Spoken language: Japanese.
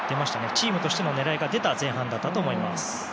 チームとしての狙いが出た前半だったと思います。